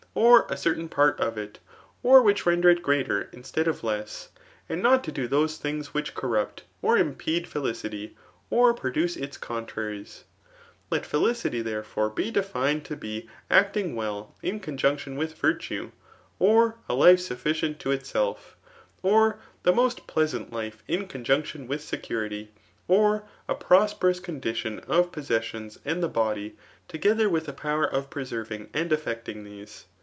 or a csrtam part of it, or which ren der it greater instead of less; and not to do diose things which xxMrrupt or in^iede felicity, or prodoce its cocw tiaiie& liet feUcity, therefore, be [defined to bej acting veeO m ctmf unction with vrrtue ; or, a life sufficient to itself, or^ the most pleasant life in conjunction mth secufit^ ; or, a prasperow condition of possessions and the body^ legettiermA a power of preserving and affecting these.